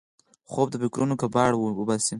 خوب د فکرونو کباړ وباسي